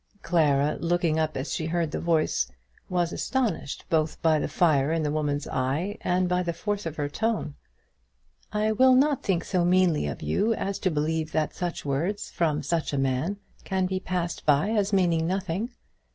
Clara looking up as she heard the voice, was astonished both by the fire in the woman's eye and by the force of her tone. "I will not think so meanly of you as to believe that such words from such a man can be passed by as meaning nothing.